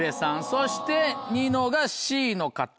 そしてニノがＣの方。